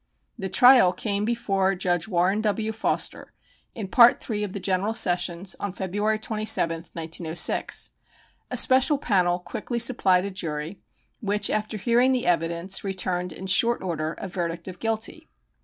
The trial came on before Judge Warren W. Foster in Part 3 of the General Sessions on February 27th, 1906. A special panel quickly supplied a jury, which, after hearing the evidence, returned in short order a verdict of guilty.